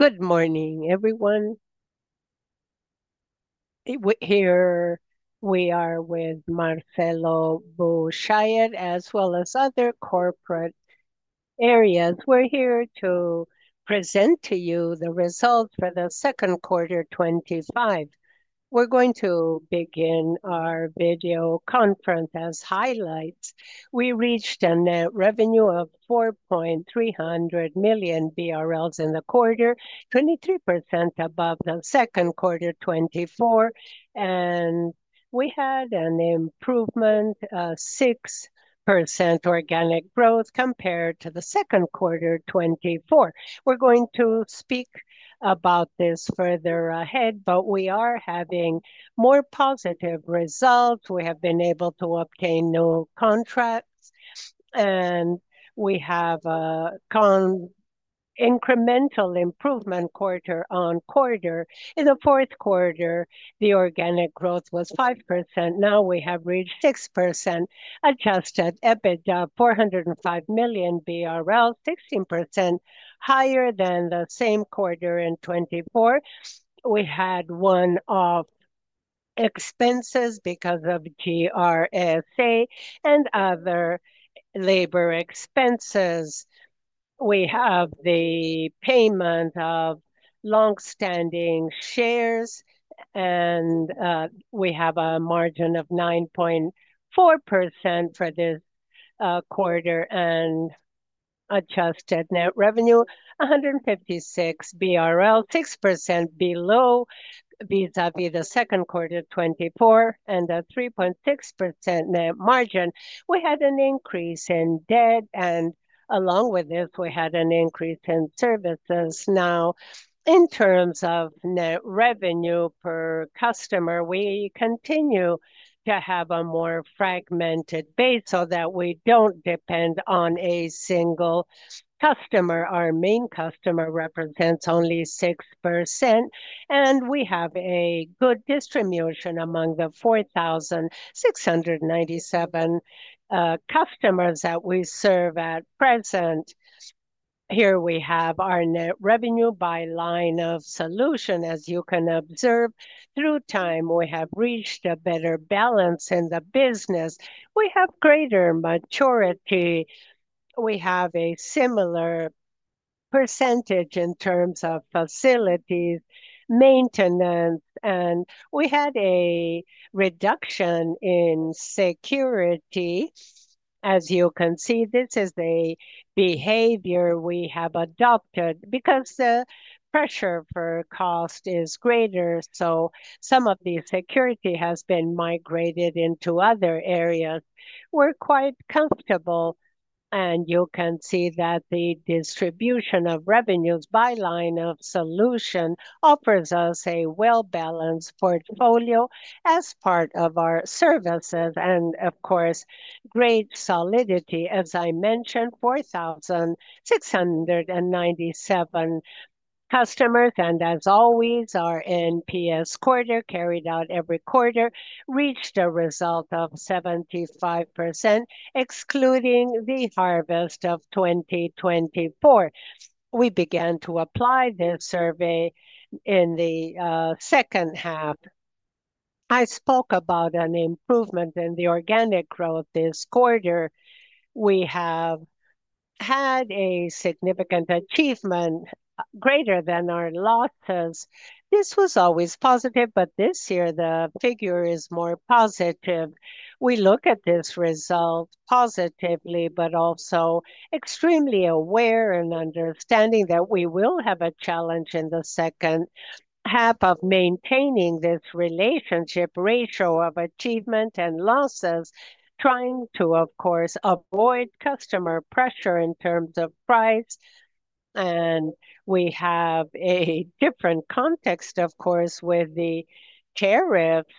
Good morning, everyone. Here we are with Marcelo Hampshire as well as other corporate areas. We're here to present to you the results for the second quarter 2025. We're going to begin our video conference as highlights. We reached a net revenue of 4.3 million BRL in the quarter, 23% above the second quarter 2024. We had an improvement of 6% organic growth compared to the second quarter 2024. We're going to speak about this further ahead, but we are having more positive results. We have been able to obtain new contracts, and we have an incremental improvement quarter-on-quarter. In the fourth quarter, the organic growth was 5%. Now we have reached 6%, Adjusted EBITDA 405 million, 16% higher than the same quarter in 2024. We had one-off expenses because of GRSA and other labor expenses. We have the payment of longstanding shares, and we have a margin of 9.4% for this quarter and adjusted net revenue 156 million BRL, 6% below vis-à-vis the second quarter 2024 and a 3.6% net margin. We had an increase in debt, and along with this, we had an increase in services. Now, in terms of net revenue per customer, we continue to have a more fragmented base so that we don't depend on a single customer. Our main customer represents only 6%, and we have a good distribution among the 4,697 customers that we serve at present. Here we have our net revenue by line of solution. As you can observe, through time, we have reached a better balance in the business. We have greater maturity. We have a similar percentage in terms of facilities, maintenance, and we had a reduction in security. As you can see, this is the behavior we have adopted because the pressure for cost is greater. Some of the security has been migrated into other areas. We're quite comfortable, and you can see that the distribution of revenues by line of solution offers us a well-balanced portfolio as part of our services. Of course, great solidity, as I mentioned, 4,697 customers. As always, our NPS Score carried out every quarter reached a result of 75%, excluding the harvest of 2024. We began to apply this survey in the second half. I spoke about an improvement in the organic growth this quarter. We have had a significant achievement greater than our losses. This was always positive, but this year the figure is more positive. We look at this result positively, but also extremely aware and understanding that we will have a challenge in the second half of maintaining this relationship ratio of achievement and losses, trying to, of course, avoid customer pressure in terms of price. We have a different context, of course, with the tariffs.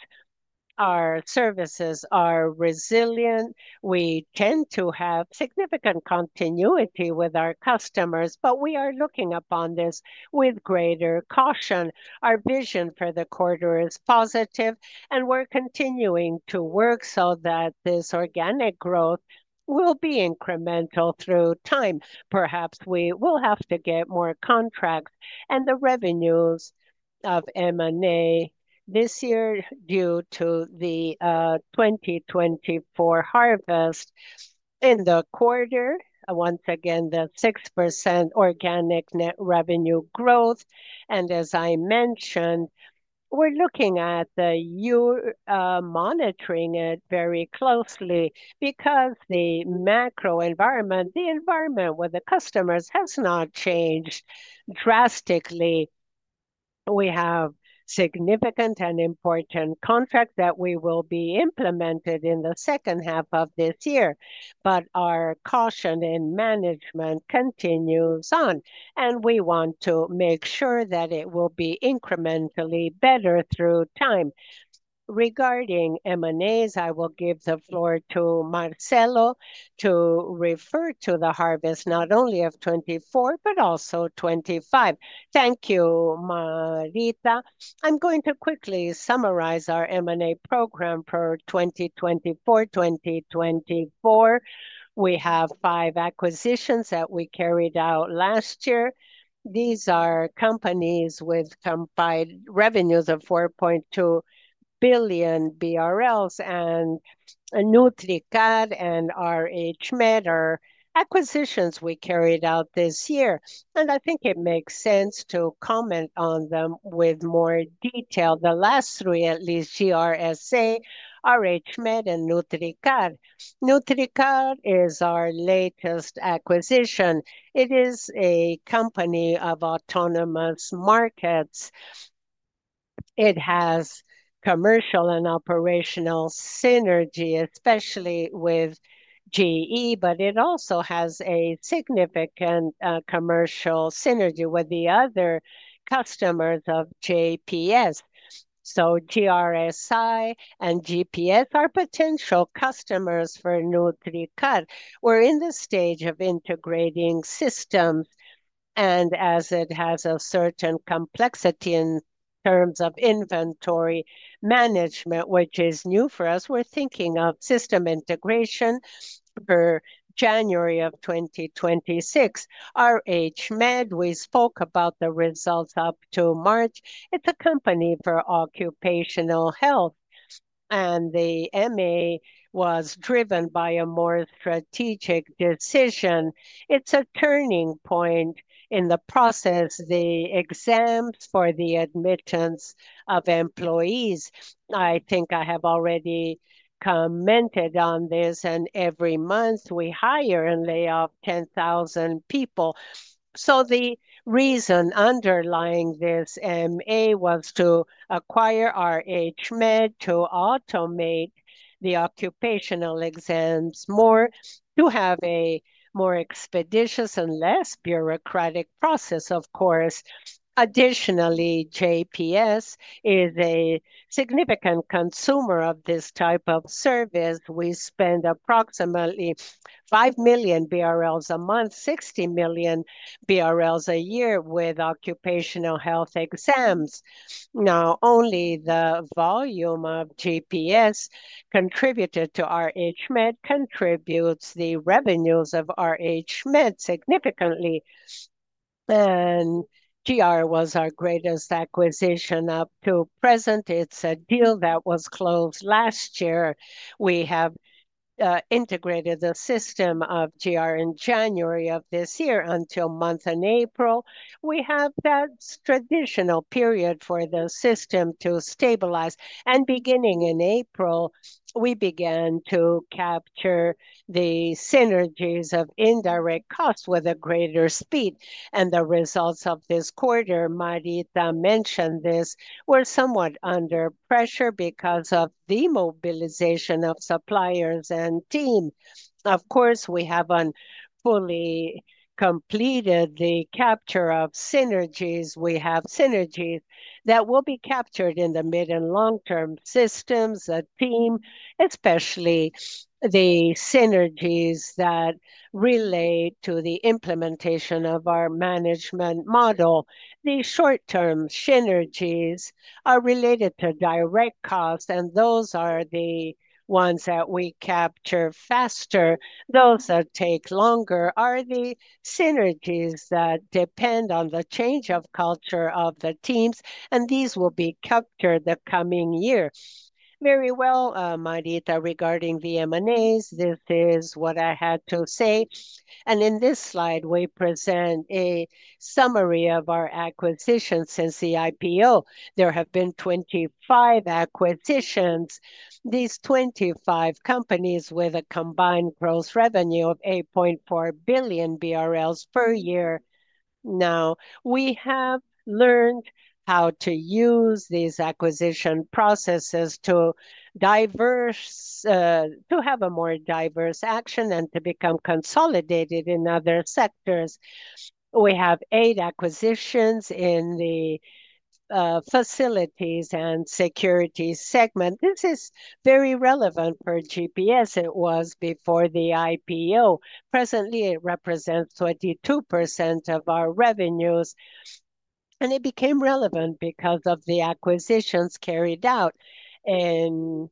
Our services are resilient. We tend to have significant continuity with our customers, but we are looking upon this with greater caution. Our vision for the quarter is positive, and we're continuing to work so that this organic growth will be incremental through time. Perhaps we will have to get more contracts and the revenues of M&A this year due to the 2024 harvest. In the quarter, once again, the 6% organic net revenue growth. As I mentioned, we're looking at the monitoring it very closely because the macro environment, the environment with the customers has not changed drastically. We have significant and important contracts that we will be implementing in the second half of this year, but our caution in management continues on, and we want to make sure that it will be incrementally better through time. Regarding M&As, I will give the floor to Marcelo to refer to the harvest not only of 2024, but also 2025. Thank you, Marita. I'm going to quickly summarize our M&A program for 2024-2024. We have five acquisitions that we carried out last year. These are companies with combined revenues of 4.2 billion BRL, and Nutricar and RH Med are acquisitions we carried out this year. I think it makes sense to comment on them with more detail. The last three, at least, GRSA, RH Med, and Nutricar. Nutricar is our latest acquisition. It is a company of autonomous markets. It has commercial and operational synergy, especially with G, but it also has a significant commercial synergy with the other customers of GPS. So, GRSA and GPS are potential customers for Nutricar. We're in the stage of integrating systems, and as it has a certain complexity in terms of inventory management, which is new for us, we're thinking of system integration for January of 2026. RH Med, we spoke about the results up to March. It's a company for occupational health, and the M&A was driven by a more strategic decision. It's a turning point in the process, the exams for the admittance of employees. I think I have already commented on this, and every month we hire and lay off 10,000 people. The reason underlying this M&A was to acquire RH Med to automate the occupational exams more, to have a more expeditious and less bureaucratic process, of course. Additionally, GPS is a significant consumer of this type of service. We spend approximately 5 million BRL a month, 60 million BRL a year with occupational health exams. Now, only the volume of GPS contributed to RH Med contributes to the revenues of RH Med significantly. GRSA was our greatest acquisition up to present. It's a deal that was closed last year. We have integrated the system of GRSA in January of this year until the month of April. We have that traditional period for the system to stabilize, and beginning in April, we began to capture the synergies of indirect costs with greater speed. The results of this quarter, Marita mentioned this, were somewhat under pressure because of the mobilization of suppliers and team. Of course, we haven't fully completed the capture of synergies. We have synergies that will be captured in the mid and long-term systems, the team, especially the synergies that relate to the implementation of our management model. The short-term synergies are related to direct costs, and those are the ones that we capture faster. Those that take longer are the synergies that depend on the change of culture of the teams, and these will be captured the coming year. Marita, regarding the M&As, this is what I had to say. In this slide, we present a summary of our acquisitions since the IPO. There have been 25 acquisitions. These 25 companies have a combined gross revenue of 8.4 billion BRL per year. We have learned how to use these acquisition processes to have a more diverse action and to become consolidated in other sectors. We have eight acquisitions in the facilities and security services segment. This is very relevant for GPS. It was before the IPO. Presently, it represents 22% of our revenues, and it became relevant because of the acquisitions carried out. In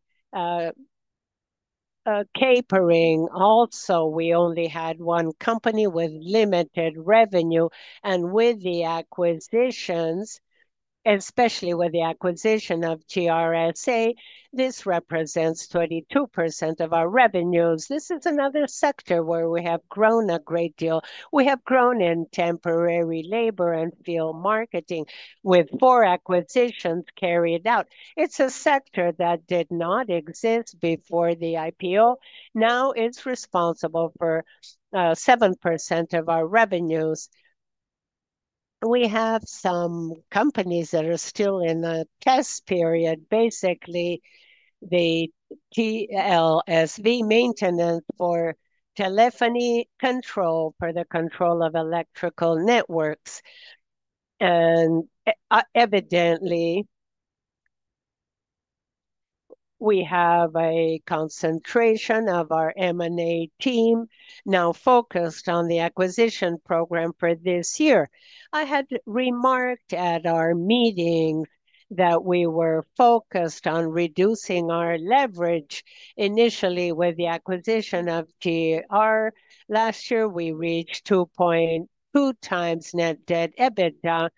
catering, also, we only had one company with limited revenue, and with the acquisitions, especially with the acquisition of GRSA, this represents 22% of our revenues. This is another sector where we have grown a great deal. We have grown in temporary labor and field marketing with four acquisitions carried out. It's a sector that did not exist before the IPO. Now it's responsible for 7% of our revenues. We have some companies that are still in the test period, basically the TLSV maintenance for telephony control for the control of electrical networks. Evidently, we have a concentration of our M&A team now focused on the acquisition program for this year. I had remarked at our meeting that we were focused on reducing our Leverage Ratio initially with the acquisition of GRSA. Last year, we reached 2.2x Net Debt/EBITDA.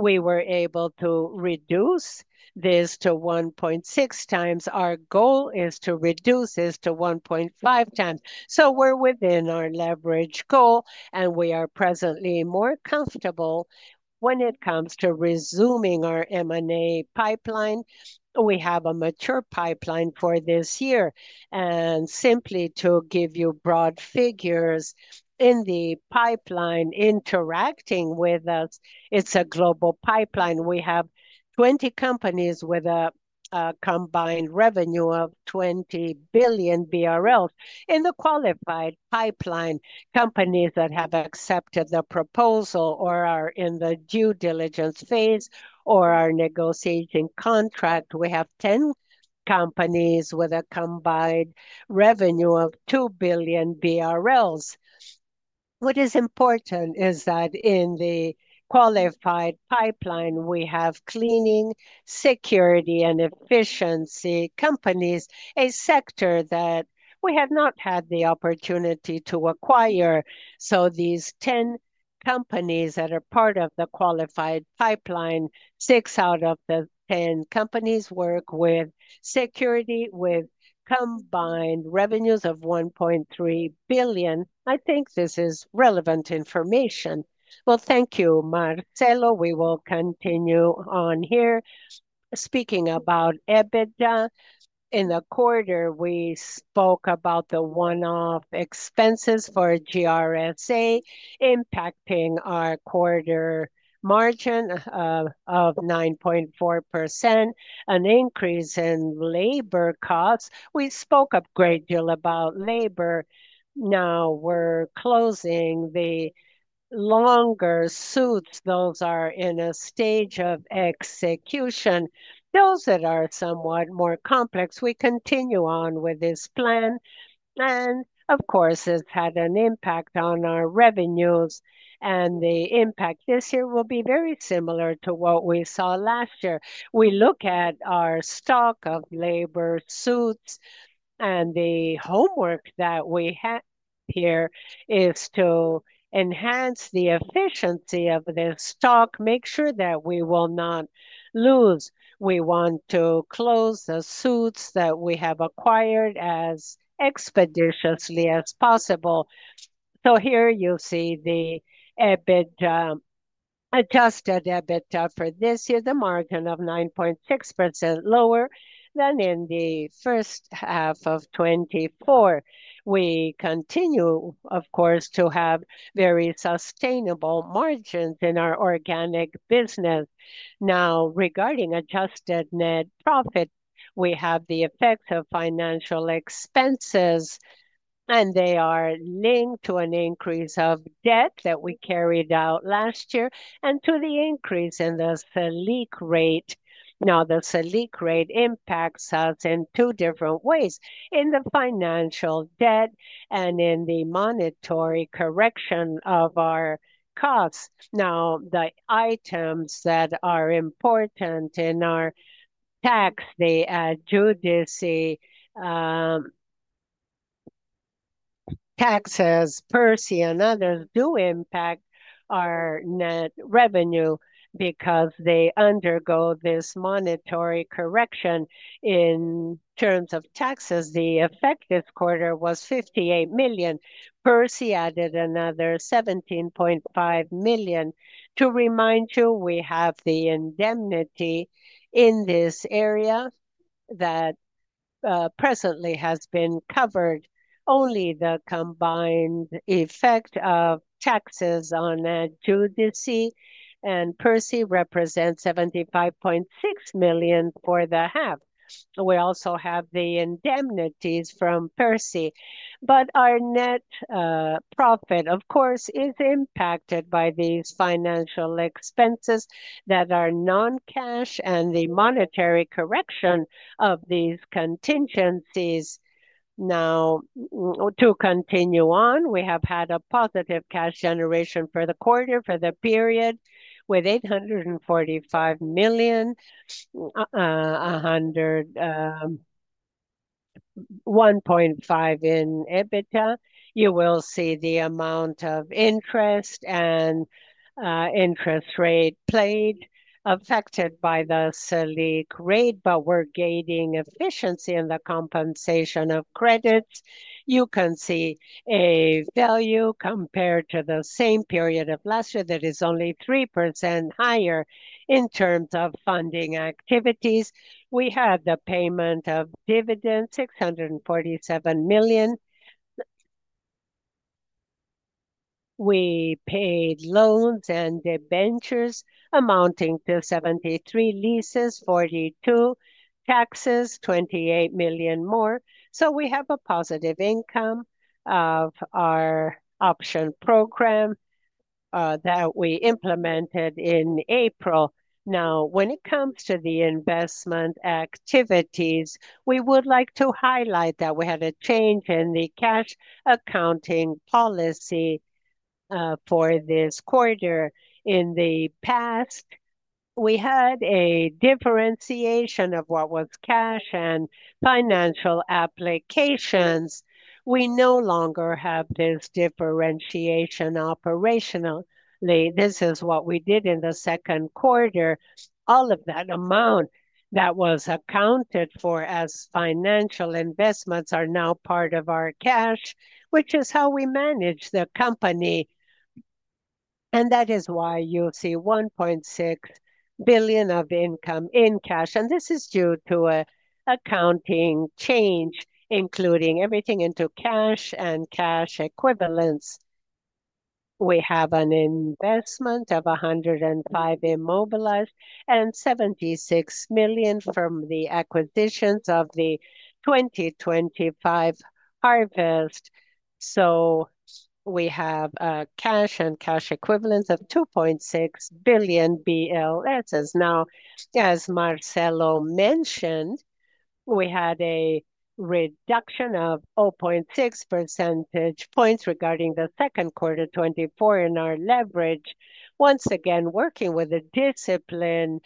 We were able to reduce this to 1.6x. Our goal is to reduce this to 1.5x. We're within our Leverage Ratio goal, and we are presently more comfortable when it comes to resuming our M&A Pipeline. We have a mature Pipeline for this year. Simply to give you broad figures, in the Pipeline interacting with us, it's a global Pipeline. We have 20 companies with a combined revenue of 20 billion BRL. In the qualified Pipeline, companies that have accepted the proposal or are in the due diligence phase or are negotiating contracts, we have 10 companies with a combined revenue of 2 billion BRL. What is important is that in the qualified Pipeline, we have cleaning, security, and efficiency companies, a sector that we have not had the opportunity to acquire. These 10 companies that are part of the qualified Pipeline, 6/10 companies work with security with combined revenues of 1.3 billion. I think this is relevant information. Thank you, Marcelo. We will continue on here. Speaking about EBITDA, in the quarter, we spoke about the one-off expenses for GRSA impacting our quarter margin of 9.4%, an increase in labor costs. We spoke a great deal about labor. Now we're closing the longer suits. Those are in a stage of execution. Those that are somewhat more complex, we continue on with this plan. Of course, it's had an impact on our revenues, and the impact this year will be very similar to what we saw last year. We look at our stock of labor suits, and the homework that we have here is to enhance the efficiency of this stock, make sure that we will not lose. We want to close the suits that we have acquired as expeditiously as possible. Here you see the Adjusted EBITDA for this year, the margin of 9.6% lower than in the first half of 2024. We continue, of course, to have very sustainable margins in our organic business. Now, regarding adjusted net profit, we have the effects of financial expenses, and they are linked to an increase of debt that we carried out last year and to the increase in the SELIC Rate. Now, the SELIC Rate impacts us in two different ways, in the financial debt and in the monetary correction of our costs. The items that are important in our PIS Tax, the adjudicating taxes, PERSE and others do impact our net revenue because they undergo this monetary correction. In terms of taxes, the effective quarter was $58 million. PERSE added another $17.5 million. To remind you, we have the indemnity in this area that presently has been covered only, the combined effect of taxes on adjudicating and PERSE represents $75.6 million for the half. We also have the indemnities from PERSE. Our net profit, of course, is impacted by these financial expenses that are non-cash and the monetary correction of these contingencies. To continue on, we have had a positive cash generation for the quarter, for the period, with $845 million, $1.5 billion in EBITDA. You will see the amount of interest and interest rate played affected by the SELIC Rate, but we're gaining efficiency in the compensation of credits. You can see a value compared to the same period of last year that is only 3% higher in terms of funding activities. We had the payment of dividends, $647 million. We paid loans and debentures amounting to $73 million, leases $42 million, taxes $28 million more. We have a positive income of our option program that we implemented in April. When it comes to the investment activities, we would like to highlight that we had a change in the cash accounting policy for this quarter. In the past, we had a differentiation of what was cash and financial applications. We no longer have this differentiation operationally. This is what we did in the second quarter. All of that amount that was accounted for as financial investments are now part of our cash, which is how we manage the company. That is why you'll see $1.6 billion of income in cash. This is due to an accounting change, including everything into cash and Cash Equivalents. We have an investment of $105 million immobilized and $76 million from the acquisitions of the 2025 harvest. We have a cash and Cash Equivalents of $2.6 billion. As Marcelo Hampshire mentioned, we had a reduction of 0.6 percentage points regarding the second quarter 2024 in our Leverage Ratio. Once again, working with the discipline,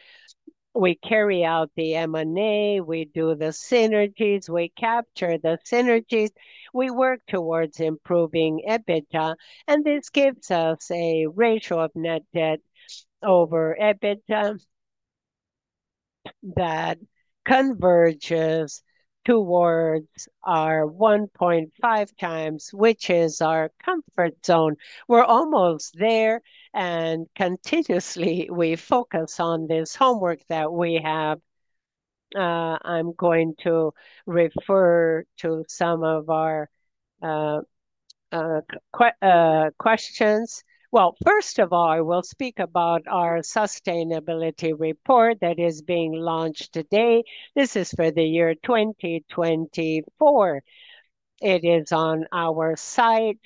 we carry out the M&A, we do the synergies, we capture the synergies, we work towards improving EBITDA, and this gives us a ratio of Net Debt/EBITDA that converges towards our 1.5x, which is our comfort zone. We're almost there, and continuously we focus on this homework that we have. I'm going to refer to some of our questions. First of all, I will speak about our sustainability report that is being launched today. This is for the year 2024. It is on our site,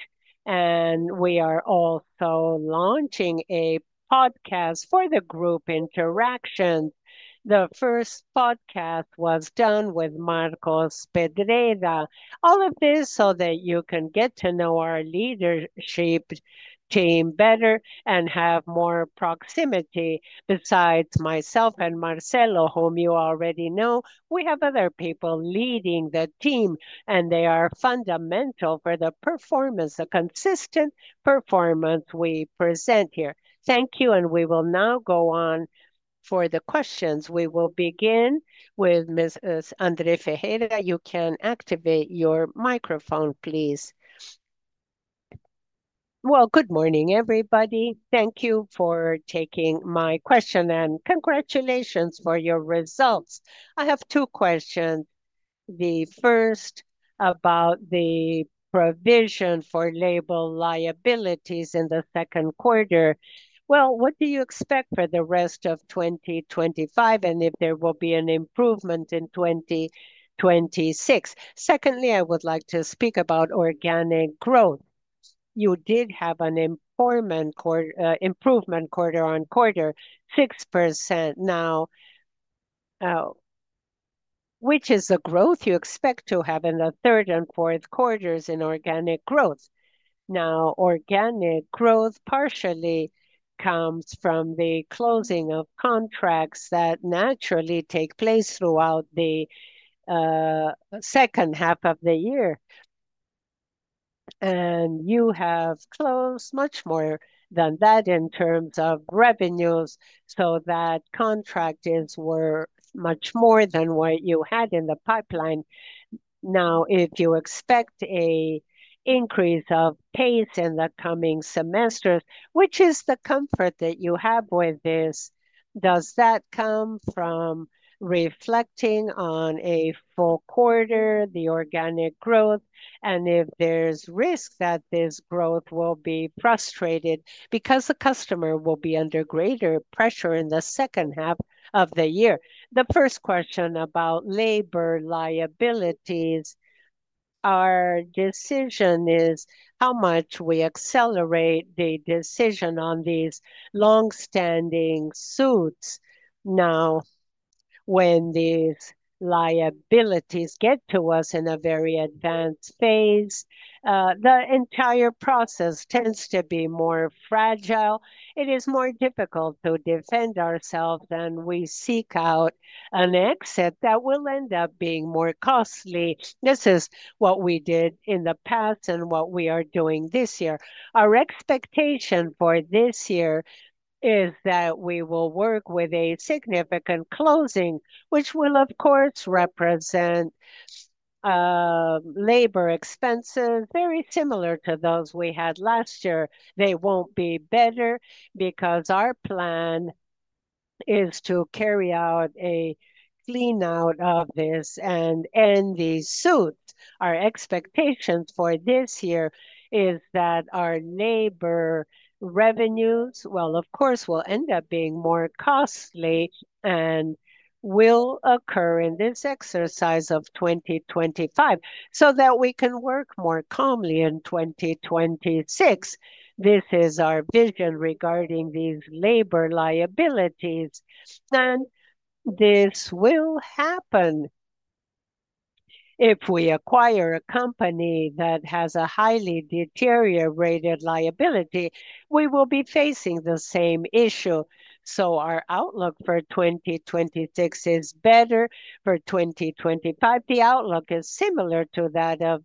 and we are also launching a podcast for the group interaction. The first podcast was done with Marcos Pereira. All of this so that you can get to know our leadership team better and have more proximity. Besides myself and Marcelo, whom you already know, we have other people leading the team, and they are fundamental for the performance, the consistent performance we present here. Thank you, and we will now go on for the questions. We will begin with Mrs. Andreia Ferreira. You can activate your microphone, please. Good morning, everybody. Thank you for taking my question, and congratulations for your results. I have two questions. The first is about the provision for labor liabilities in the second quarter. What do you expect for the rest of 2025 and if there will be an improvement in 2026? Secondly, I would like to speak about organic growth. You did have an improvement quarter-on-quarter, 6% now, which is the growth you expect to have in the third and fourth quarters in organic growth. Organic growth partially comes from the closing of contracts that naturally take place throughout the second half of the year. You have closed much more than that in terms of revenues, so that contracts were much more than what you had in the Pipeline. If you expect an increase of pace in the coming semesters, which is the comfort that you have with this, does that come from reflecting on a full quarter, the organic growth, and if there's risk that this growth will be frustrated because the customer will be under greater pressure in the second half of the year? The first question about labor liabilities, our decision is how much we accelerate the decision on these longstanding suits. When these liabilities get to us in a very advanced phase, the entire process tends to be more fragile. It is more difficult to defend ourselves than we seek out an exit that will end up being more costly. This is what we did in the past and what we are doing this year. Our expectation for this year is that we will work with a significant closing, which will, of course, represent labor expenses very similar to those we had last year. They won't be better because our plan is to carry out a clean-out of this and end the suit. Our expectation for this year is that our labor revenues, of course, will end up being more costly and will occur in this exercise of 2025 so that we can work more calmly in 2026. This is our vision regarding these labor liabilities. This will happen. If we acquire a company that has a highly deteriorated liability, we will be facing the same issue. Our outlook for 2026 is better. For 2025, the outlook is similar to that of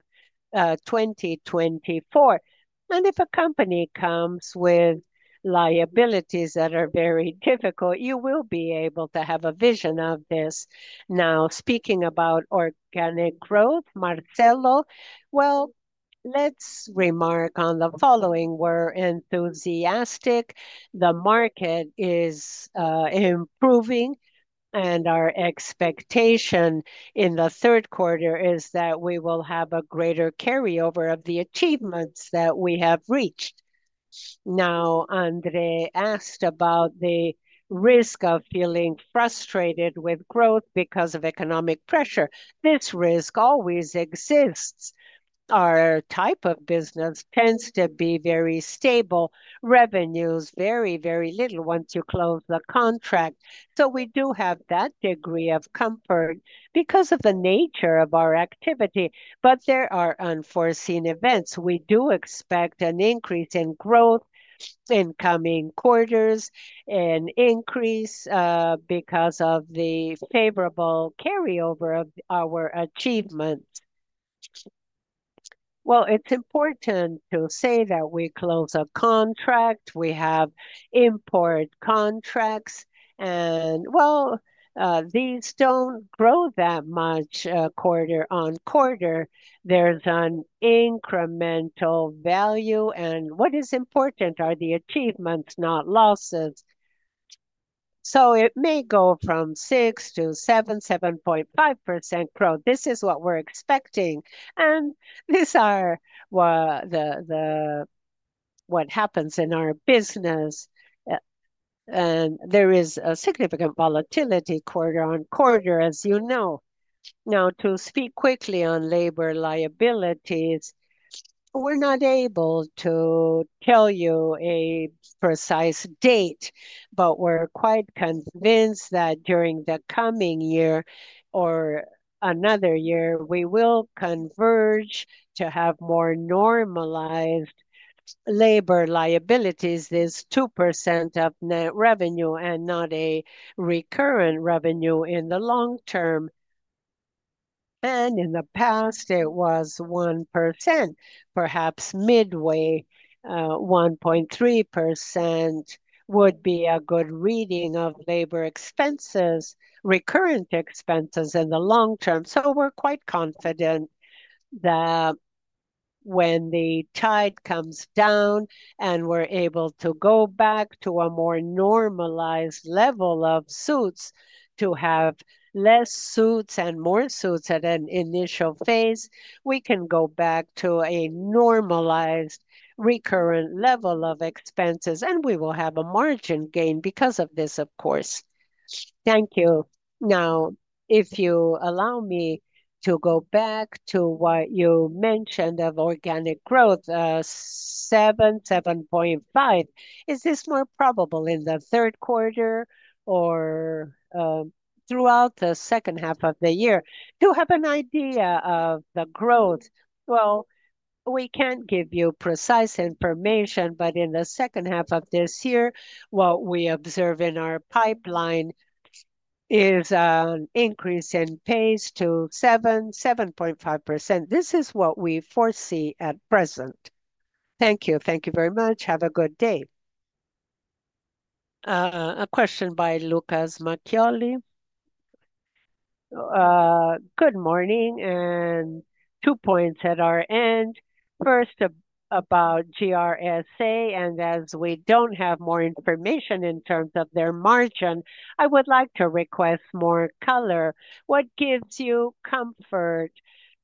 2024. If a company comes with liabilities that are very difficult, you will be able to have a vision of this. Now, speaking about organic growth, Marcelo, let's remark on the following. We're enthusiastic. The market is improving, and our expectation in the third quarter is that we will have a greater carryover of the achievements that we have reached. Andreia asked about the risk of feeling frustrated with growth because of economic pressure. This risk always exists. Our type of business tends to be very stable. Revenues, very, very little once you close the contract. We do have that degree of comfort because of the nature of our activity. There are unforeseen events. We do expect an increase in growth in coming quarters, an increase because of the favorable carryover of our achievements. It's important to say that we close a contract. We have import contracts. These don't grow that much quarter-on-quarter. There's an incremental value. What is important are the achievements, not losses. It may go from 6%-7%, 7.5% growth. This is what we're expecting. These are what happens in our business. There is a significant volatility quarter-on-quarter, as you know. To speak quickly on labor liabilities, we're not able to tell you a precise date, but we're quite convinced that during the coming year or another year, we will converge to have more normalized labor liabilities, this 2% of net revenue and not a recurrent revenue in the long term. In the past, it was 1%. Perhaps midway, 1.3% would be a good reading of labor expenses, recurrent expenses in the long term. We're quite confident that when the tide comes down and we're able to go back to a more normalized level of suits, to have less suits and more suits at an initial phase, we can go back to a normalized recurrent level of expenses, and we will have a margin gain because of this, of course. Thank you. Now, if you allow me to go back to what you mentioned of organic growth, 7%, 7.5%, is this more probable in the third quarter or throughout the second half of the year? To have an idea of the growth, we can't give you precise information, but in the second half of this year, what we observe in our Pipeline is an increase in pace to 7%, 7.5%. This is what we foresee at present. Thank you. Thank you very much. Have a good day. A question by Lucas Maschio. Good morning. Two points at our end. First, about GRSA, and as we don't have more information in terms of their margin, I would like to request more color. What gives you comfort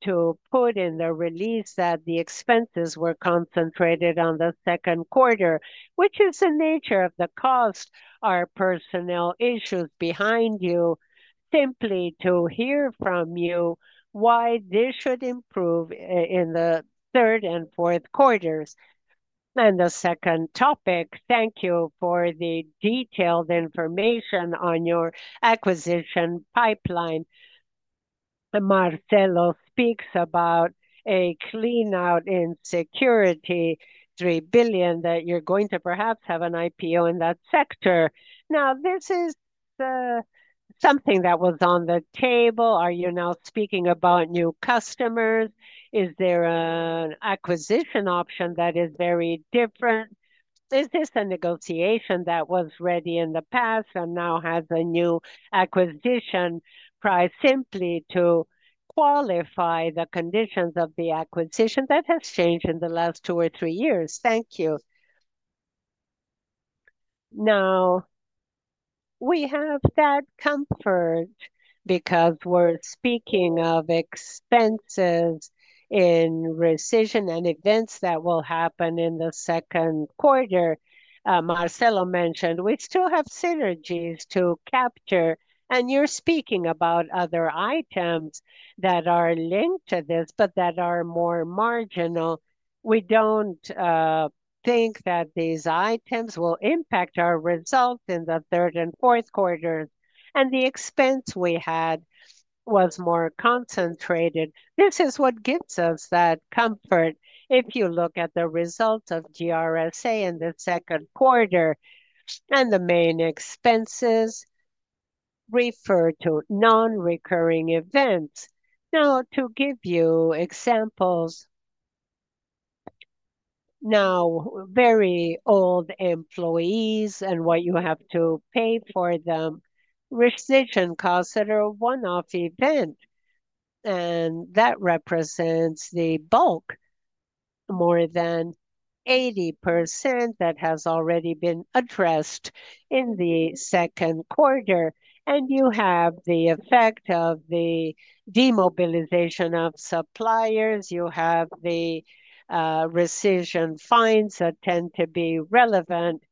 to put in the release that the expenses were concentrated on the second quarter, which is the nature of the cost? Are personnel issues behind you? Simply to hear from you why this should improve in the third and fourth quarters. The second topic, thank you for the detailed information on your acquisition Pipeline. Marcelo speaks about a clean-out in security, $3 billion, that you're going to perhaps have an IPO in that sector. This is something that was on the table. Are you now speaking about new customers? Is there an acquisition option that is very different? Is this a negotiation that was ready in the past and now has a new acquisition price simply to qualify the conditions of the acquisition that have changed in the last two or three years? Thank you. We have that comfort because we're speaking of expenses in rescission and events that will happen in the second quarter. Marcelo mentioned we still have synergies to capture, and you're speaking about other items that are linked to this, but that are more marginal. We don't think that these items will impact our results in the third and fourth quarters, and the expense we had was more concentrated. This is what gives us that comfort. If you look at the results of GRSA in the second quarter, the main expenses refer to non-recurring events. To give you examples, very old employees and what you have to pay for them, rescission costs that are a one-off event, and that represents the bulk, more than 80% that has already been addressed in the second quarter. You have the effect of the demobilization of suppliers. You have the rescission fines that tend to be relevant.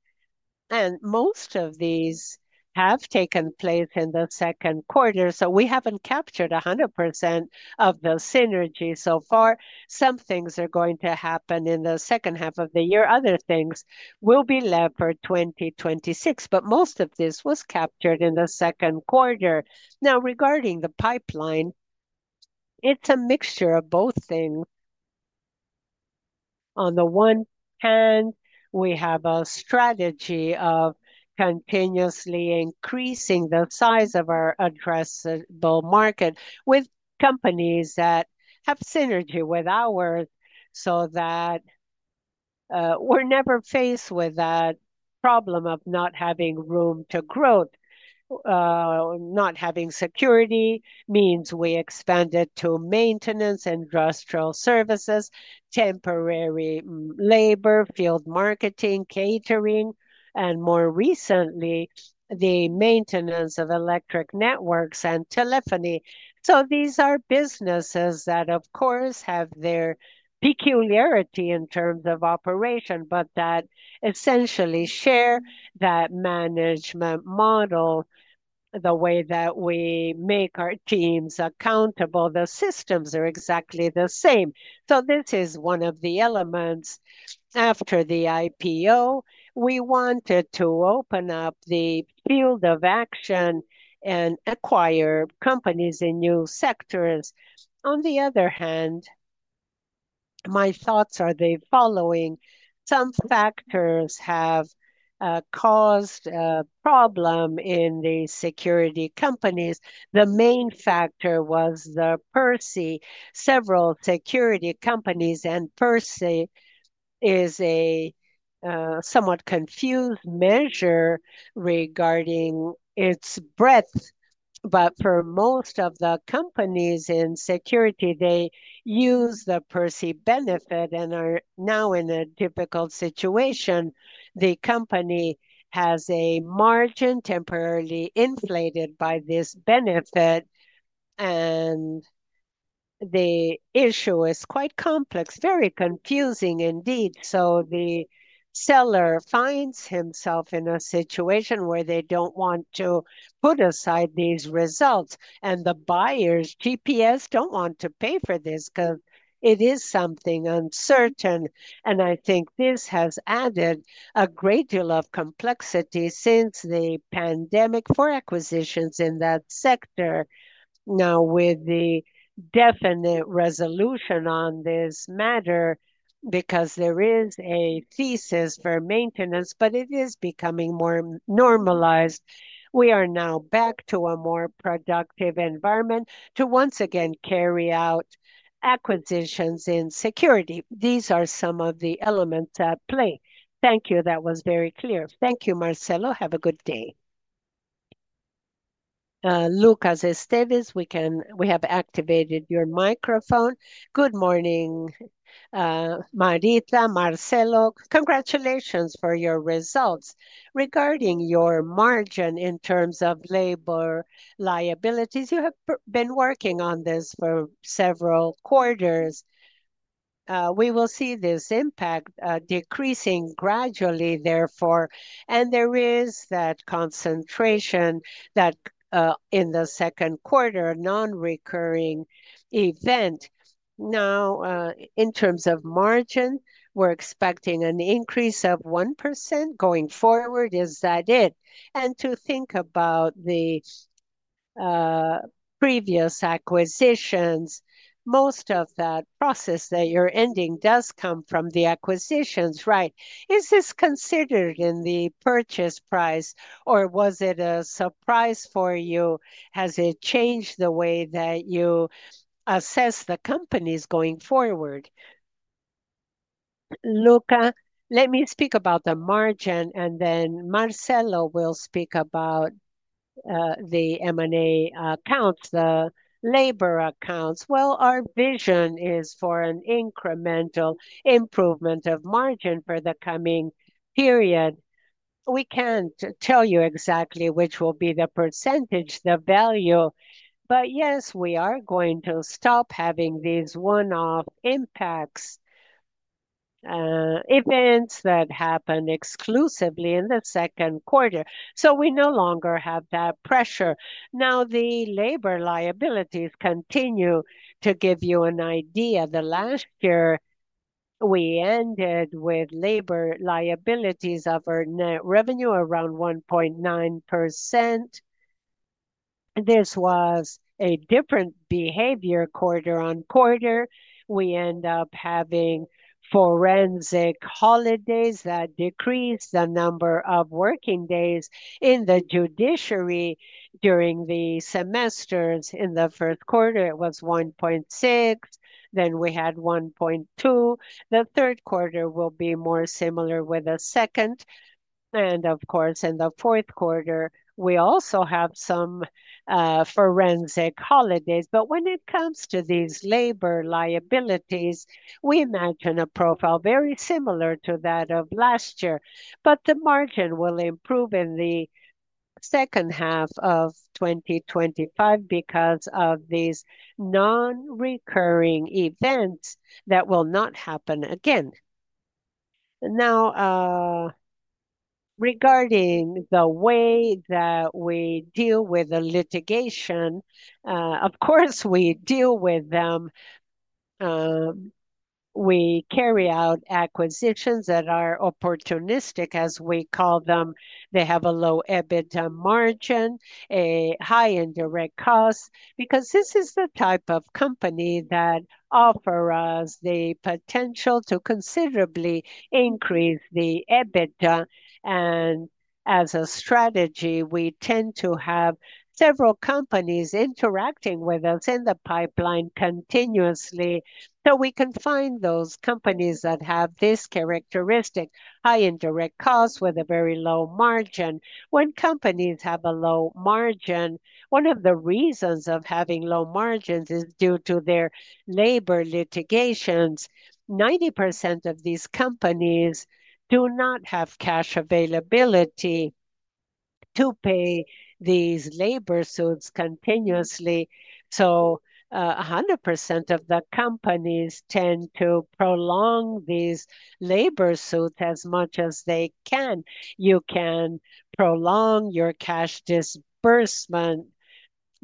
Most of these have taken place in the second quarter. We haven't captured 100% of the synergy so far. Some things are going to happen in the second half of the year. Other things will be left for 2026. Most of this was captured in the second quarter. Now, regarding the Pipeline, it's a mixture of both things. On the one hand, we have a strategy of continuously increasing the size of our addressable market with companies that have synergy with ours so that we're never faced with that problem of not having room to grow. Not having security means we expanded to maintenance, industrial services, temporary labor, field marketing, catering, and more recently, the maintenance of electric networks and telephony. These are businesses that, of course, have their peculiarity in terms of operation, but that essentially share that management model, the way that we make our teams accountable. The systems are exactly the same. This is one of the elements. After the IPO, we wanted to open up the field of action and acquire companies in new sectors. On the other hand, my thoughts are the following. Some factors have caused a problem in the security companies. The main factor was the PERSE, several security companies, and PERSE is a somewhat confused measure regarding its breadth. For most of the companies in security, they use the PERSE benefit and are now in a difficult situation. The company has a margin temporarily inflated by this benefit, and the issue is quite complex, very confusing indeed. The seller finds himself in a situation where they don't want to put aside these results, and the buyers, GPS, don't want to pay for this because it is something uncertain. I think this has added a great deal of complexity since the pandemic for acquisitions in that sector. Now, with the definite resolution on this matter, because there is a thesis for maintenance, but it is becoming more normalized, we are now back to a more productive environment to once again carry out acquisitions in security. These are some of the elements at play. Thank you. That was very clear. Thank you, Marcelo. Have a good day. Lucas Estevez, we have activated your microphone. Good morning, Marita, Marcelo. Congratulations for your results. Regarding your margin in terms of labor liabilities, you have been working on this for several quarters. We will see this impact decreasing gradually, therefore. There is that concentration that in the second quarter, non-recurring event. Now, in terms of margin, we're expecting an increase of 1% going forward. Is that it? To think about the previous acquisitions, most of that process that you're ending does come from the acquisitions, right? Is this considered in the purchase price, or was it a surprise for you? Has it changed the way that you assess the companies going forward? Luca, let me speak about the margin, and then Marcelo will speak about the M&A accounts, the labor accounts. Our vision is for an incremental improvement of margin for the coming period. We can't tell you exactly which will be the percentage, the value. Yes, we are going to stop having these one-off impacts, events that happen exclusively in the second quarter. We no longer have that pressure. The labor liabilities continue to give you an idea. Last year, we ended with labor liabilities of our net revenue around 1.9%. This was a different behavior quarter-on-quarter. We end up having forensic holidays that decrease the number of working days. In the judiciary, during the semesters, in the first quarter, it was 1.6%. Then we had 1.2%. The third quarter will be more similar with the second. In the fourth quarter, we also have some forensic holidays. When it comes to these labor liabilities, we imagine a profile very similar to that of last year. The margin will improve in the second half of 2025 because of these non-recurring events that will not happen again. Regarding the way that we deal with the litigation, of course, we deal with them. We carry out acquisitions that are opportunistic, as we call them. They have a low EBITDA margin, a high indirect cost because this is the type of company that offers us the potential to considerably increase the EBITDA. As a strategy, we tend to have several companies interacting with us in the Pipeline continuously. We can find those companies that have this characteristic: high indirect costs with a very low margin. When companies have a low margin, one of the reasons of having low margins is due to their labor litigations. 90% of these companies do not have cash availability to pay these labor suits continuously. 100% of the companies tend to prolong these labor suits as much as they can. You can prolong your cash disbursement.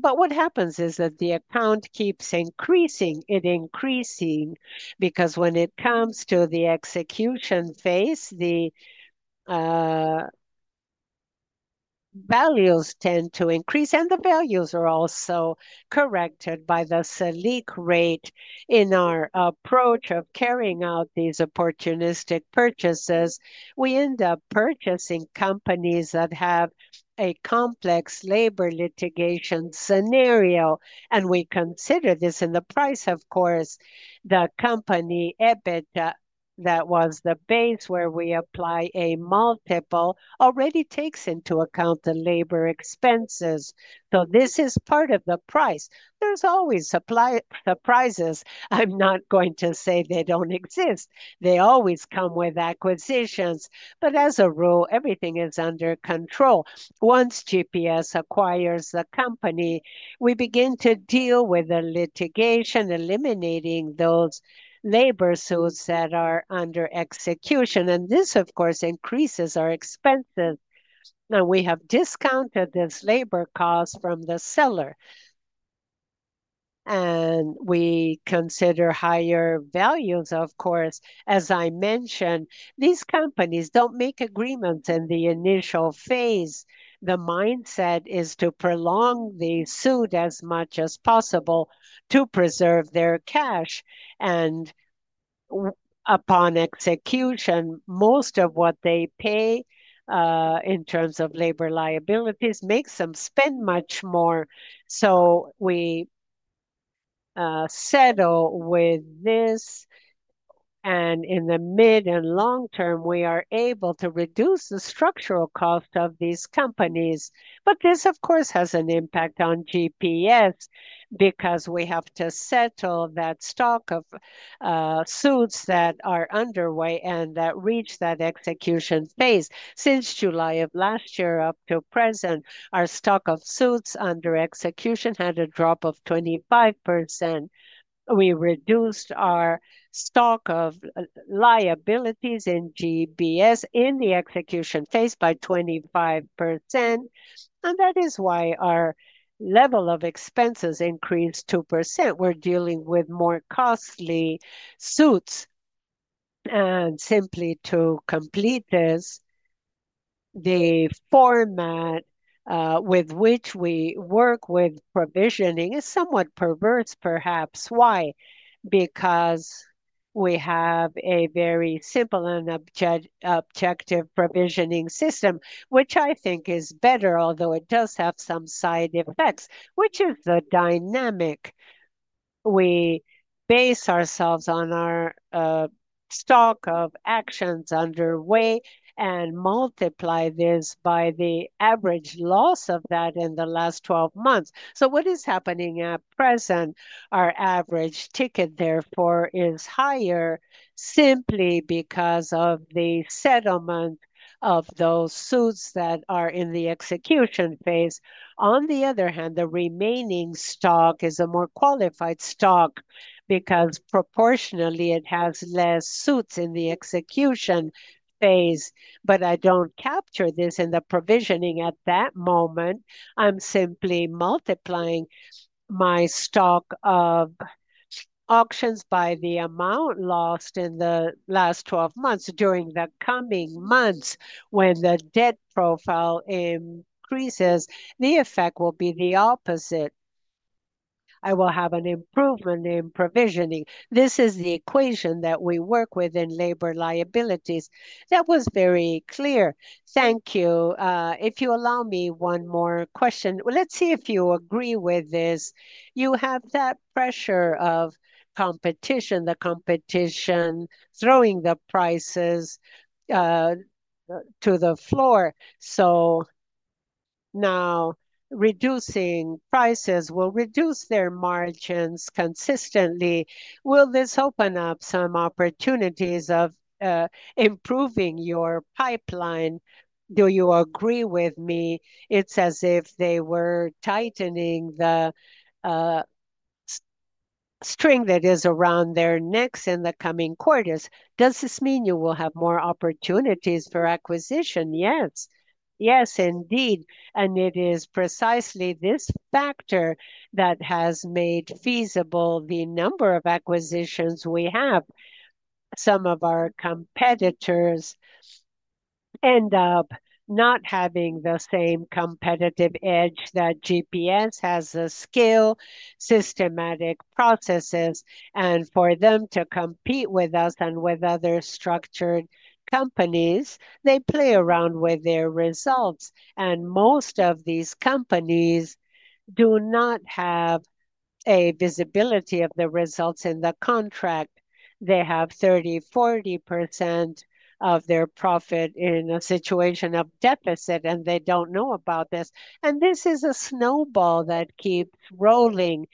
What happens is that the account keeps increasing. It's increasing because when it comes to the execution phase, the values tend to increase, and the values are also corrected by the SELIC Rate. In our approach of carrying out these opportunistic purchases, we end up purchasing companies that have a complex labor litigation scenario. We consider this in the price, of course. The company EBITDA that was the base where we apply a multiple already takes into account the labor expenses. This is part of the price. There are always surprises. I'm not going to say they don't exist. They always come with acquisitions. As a rule, everything is under control. Once GPS acquires the company, we begin to deal with the litigation, eliminating those labor suits that are under execution. This, of course, increases our expenses. We have discounted this labor cost from the seller. We consider higher values, of course. As I mentioned, these companies don't make agreements in the initial phase. The mindset is to prolong the suit as much as possible to preserve their cash. Upon execution, most of what they pay in terms of labor liabilities makes them spend much more. We settle with this. In the mid and long term, we are able to reduce the structural cost of these companies. This, of course, has an impact on GPS because we have to settle that stock of suits that are underway and that reach that execution phase. Since July of last year up to present, our stock of suits under execution had a drop of 25%. We reduced our stock of liabilities in GPS in the execution phase by 25%. That is why our level of expenses increased 2%. We're dealing with more costly suits. Simply to complete this, the format with which we work with provisioning is somewhat perverse, perhaps. Why? We have a very simple and objective provisioning system, which I think is better, although it does have some side effects, which is the dynamic. We base ourselves on our stock of actions underway and multiply this by the average loss of that in the last 12 months. What is happening at present? Our average ticket, therefore, is higher simply because of the settlement of those suits that are in the execution phase. On the other hand, the remaining stock is a more qualified stock because proportionally, it has less suits in the execution phase. I don't capture this in the provisioning at that moment. I'm simply multiplying my stock of actions by the amount lost in the last 12 months. During the coming months, when the debt profile increases, the effect will be the opposite. I will have an improvement in provisioning. This is the equation that we work with in labor liabilities. That was very clear. Thank you. If you allow me one more question, let's see if you agree with this. You have that pressure of competition, the competition throwing the prices to the floor. Now, reducing prices will reduce their margins consistently. Will this open up some opportunities of improving your Pipeline? Do you agree with me? It's as if they were tightening the string that is around their necks in the coming quarters. Does this mean you will have more opportunities for acquisition? Yes. Yes, indeed. It is precisely this factor that has made feasible the number of acquisitions we have. Some of our competitors end up not having the same competitive edge that GPS has, the skill, systematic processes. For them to compete with us and with other structured companies, they play around with their results. Most of these companies do not have a visibility of the results in the contract. They have 30%, 40% of their profit in a situation of deficit, and they don't know about this. This is a snowball that keeps rolling.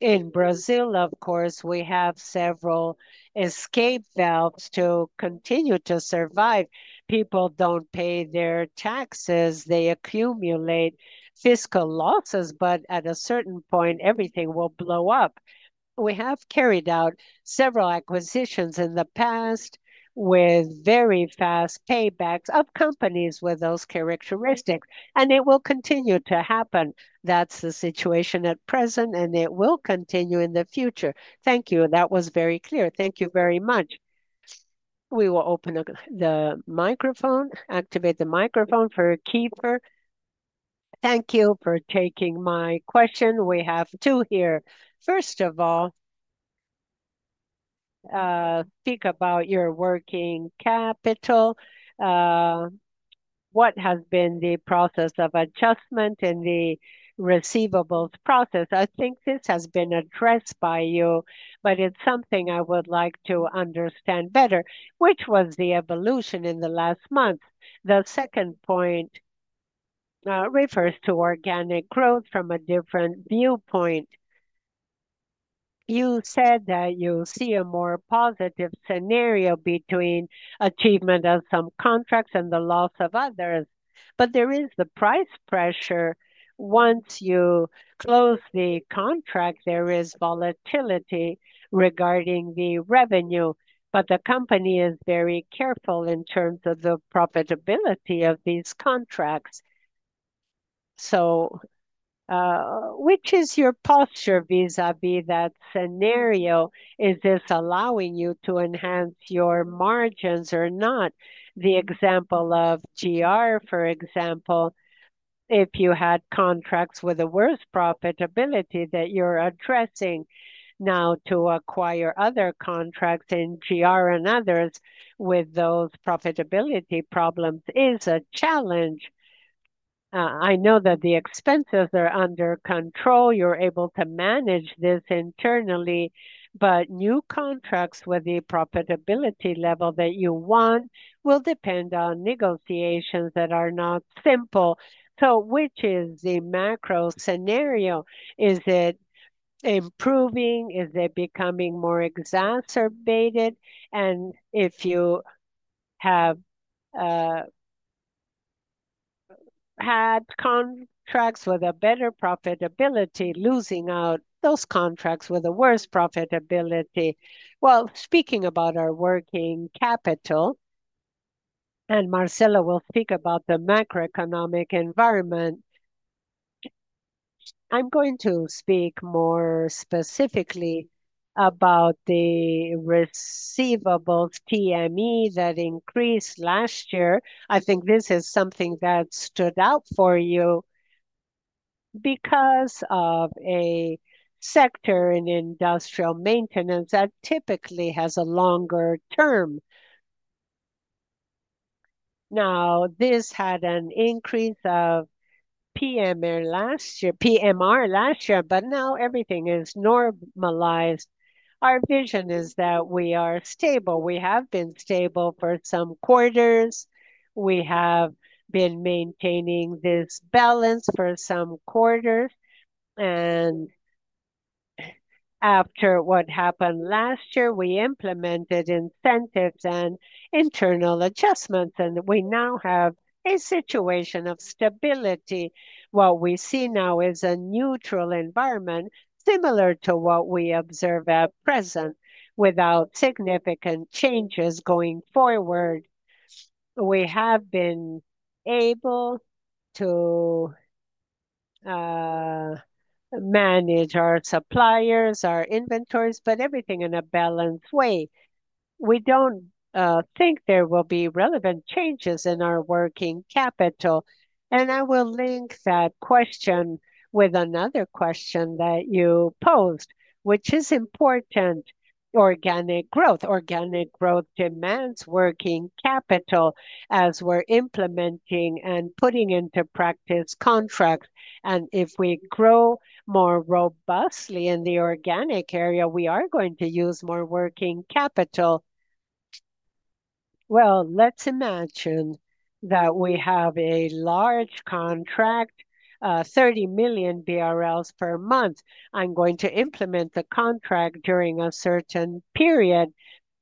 In Brazil, of course, we have several escape valves to continue to survive. People don't pay their taxes. They accumulate fiscal losses, but at a certain point, everything will blow up. We have carried out several acquisitions in the past with very fast paybacks of companies with those characteristics. It will continue to happen. That's the situation at present, and it will continue in the future. Thank you. That was very clear. Thank you very much. We will open the microphone, activate the microphone for Kiefer. Thank you for taking my question. We have two here. First of all, speak about your working capital. What has been the process of adjustment in the receivables process? I think this has been addressed by you, but it's something I would like to understand better, which was the evolution in the last month. The second point refers to organic growth from a different viewpoint. You said that you see a more positive scenario between achievement of some contracts and the loss of others. There is the price pressure. Once you close the contract, there is volatility regarding the revenue. The company is very careful in terms of the profitability of these contracts. Which is your posture vis-à-vis that scenario? Is this allowing you to enhance your margins or not? The example of GRSA, for example, if you had contracts with the worst profitability that you're addressing, now to acquire other contracts in GRSA and others with those profitability problems is a challenge. I know that the expenses are under control. You're able to manage this internally, but new contracts with the profitability level that you want will depend on negotiations that are not simple. Which is the macro scenario? Is it improving? Is it becoming more exacerbated? If you have had contracts with a better profitability, losing out those contracts with the worst profitability. Speaking about our working capital, and Marcelo will speak about the macroeconomic environment, I'm going to speak more specifically about the receivables TME that increased last year. I think this is something that stood out for you because of a sector in industrial maintenance that typically has a longer term. This had an increase of PMR last year, but now everything is normalized. Our vision is that we are stable. We have been stable for some quarters. We have been maintaining this balance for some quarters. After what happened last year, we implemented incentives and internal adjustments, and we now have a situation of stability. What we see now is a neutral environment similar to what we observe at present. Without significant changes going forward, we have been able to manage our suppliers, our inventories, but everything in a balanced way. We don't think there will be relevant changes in our working capital. I will link that question with another question that you posed, which is important. Organic growth. Organic growth demands working capital as we're implementing and putting into practice contracts. If we grow more robustly in the organic area, we are going to use more working capital. Let's imagine that we have a large contract, 30 million BRL per month. I'm going to implement the contract during a certain period,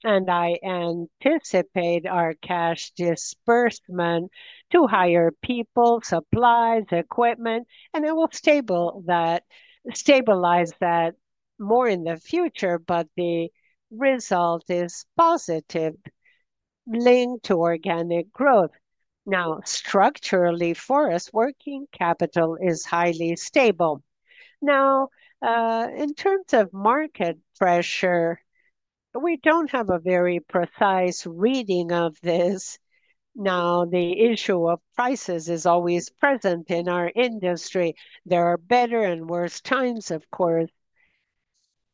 and I anticipate our cash disbursement to hire people, supplies, equipment, and it will stabilize that more in the future, but the result is positive, linked to organic growth. Structurally for us, working capital is highly stable. In terms of market pressure, we don't have a very precise reading of this. The issue of prices is always present in our industry. There are better and worse times, of course.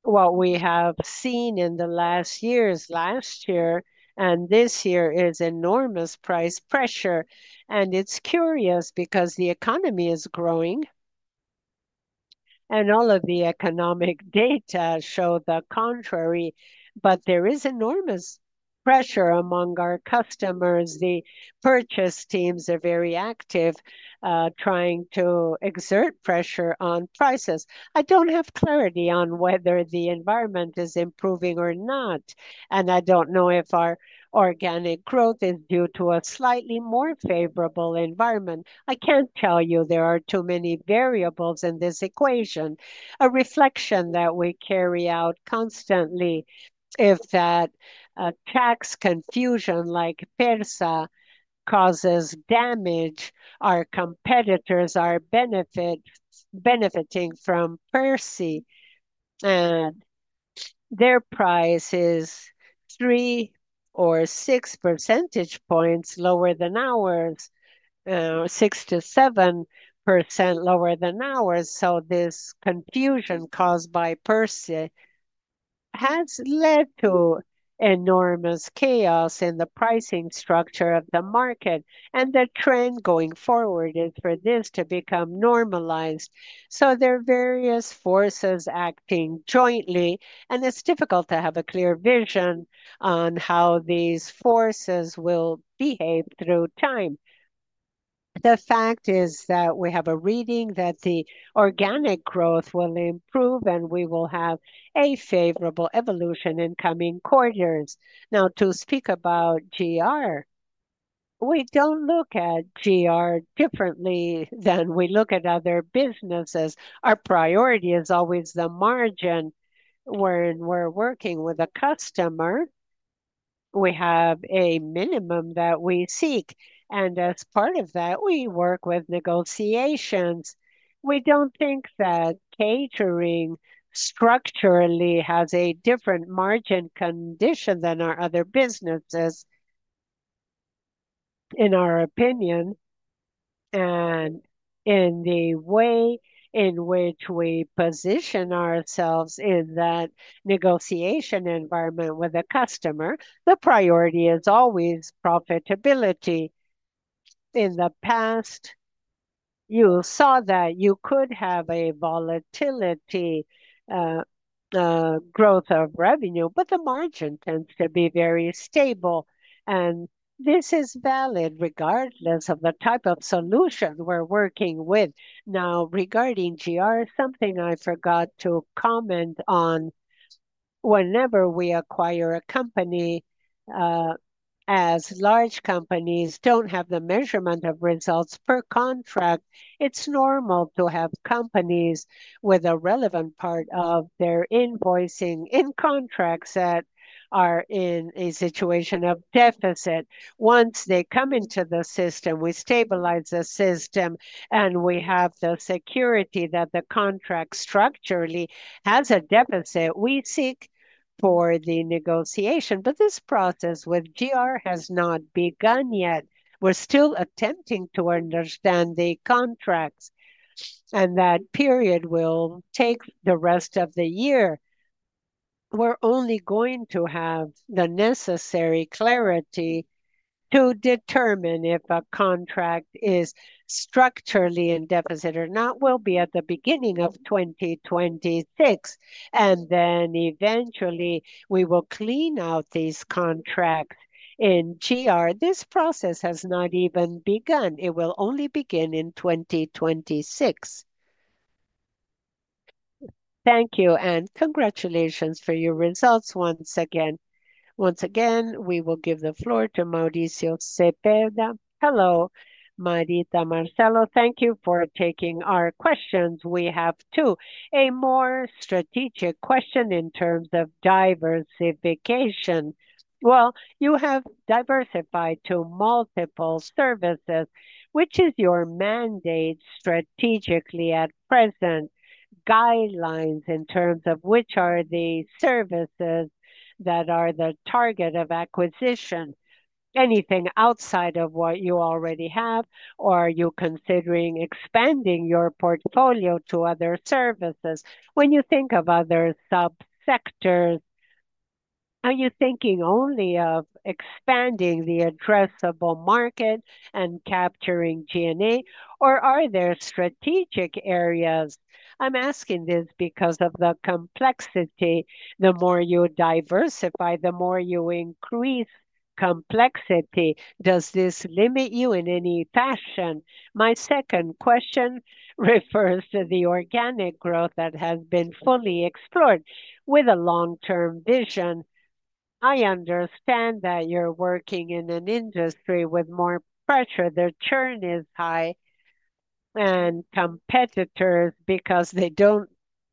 What we have seen in the last years, last year and this year, is enormous price pressure. It's curious because the economy is growing, and all of the economic data show the contrary, but there is enormous pressure among our customers. The purchase teams are very active, trying to exert pressure on prices. I don't have clarity on whether the environment is improving or not, and I don't know if our organic growth is due to a slightly more favorable environment. I can't tell you; there are too many variables in this equation. A reflection that we carry out constantly is that a tax confusion like PERSE causes damage. Our competitors are benefiting from PERSE, and their price is 3-6 percentage points lower than ours, 6%-7% lower than ours. This confusion caused by PERSE has led to enormous chaos in the pricing structure of the market. The trend going forward is for this to become normalized. There are various forces acting jointly, and it's difficult to have a clear vision on how these forces will behave through time. The fact is that we have a reading that the organic growth will improve, and we will have a favorable evolution in coming quarters. Now, to speak about GRSA, we don't look at GRSA differently than we look at other businesses. Our priority is always the margin. When we're working with a customer, we have a minimum that we seek, and as part of that, we work with negotiations. We don't think that catering structurally has a different margin condition than our other businesses. In our opinion, and in the way in which we position ourselves in that negotiation environment with a customer, the priority is always profitability. In the past, you saw that you could have a volatility growth of revenue, but the margin tends to be very stable. This is valid regardless of the type of solution we're working with. Now, regarding GRSA, something I forgot to comment on. Whenever we acquire a company, as large companies don't have the measurement of results per contract, it's normal to have companies with a relevant part of their invoicing in contracts that are in a situation of deficit. Once they come into the system, we stabilize the system, and we have the security that the contract structurally has a deficit. We seek for the negotiation, but this process with GRSA has not begun yet. We're still attempting to understand the contracts, and that period will take the rest of the year. We're only going to have the necessary clarity to determine if a contract is structurally in deficit or not at the beginning of 2026. Eventually, we will clean out these contracts in GRSA. This process has not even begun. It will only begin in 2026. Thank you, and congratulations for your results once again. Once again, we will give the floor to Mauricio Sepúlveda. Hello, Marita, Marcelo. Thank you for taking our questions. We have two. A more strategic question in terms of diversification. You have diversified to multiple services. Which is your mandate strategically at present? Guidelines in terms of which are the services that are the target of acquisition? Anything outside of what you already have, or are you considering expanding your portfolio to other services? When you think of other sub-sectors, are you thinking only of expanding the addressable market and capturing G&A? Or are there strategic areas? I'm asking this because of the complexity. The more you diversify, the more you increase complexity. Does this limit you in any fashion? My second question refers to the organic growth that has been fully explored with a long-term vision. I understand that you're working in an industry with more pressure. Their churn is high, and competitors, because they don't